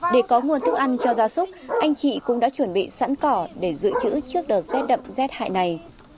để có nguồn thức ăn cho gia súc anh chị cũng đã chuẩn bị sẵn cỏ để dự trữ trước đợt rét đậm rét hại này